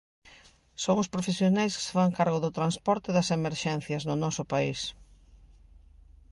Son os profesionais que se fan cargo do transporte das emerxencias no noso país.